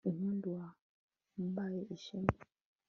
impundu, wambaye ishema